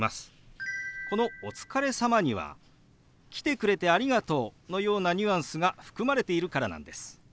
この「お疲れ様」には「来てくれてありがとう」のようなニュアンスが含まれているからなんです。